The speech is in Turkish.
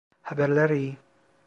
Haberler iyi.